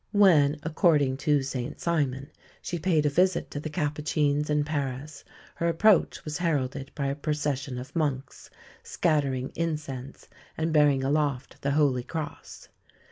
When, according to St Simon, she paid a visit to the Capucines in Paris her approach was heralded by a procession of monks, scattering incense and bearing aloft the holy cross.